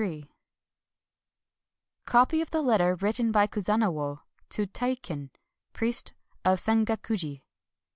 — Copy of Letter written by Kazunawo to Teikin, Priest of Sengakuji.